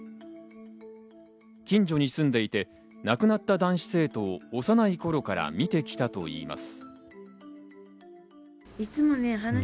近所に住んでいて亡くなった男子生徒を幼い頃から見てきたといいます。